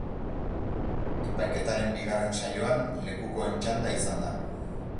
Epaiketaren bigarren saioan lekukoen txanda izan da.